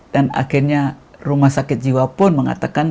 dan akhirnya rumah sakit jiwa pun mengatakan